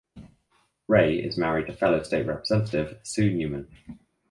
Ray is married to fellow state representative Sue Newman.